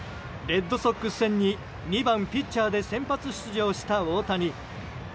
レッドソックス戦に２番ピッチャーで先発出場した大谷。